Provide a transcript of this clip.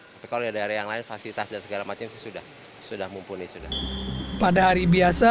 tapi kalau di daerah yang lain fasilitas dan segala macam sih sudah sudah mumpuni sudah pada hari biasa